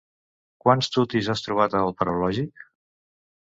Quants tutis has trobat al paraulògic?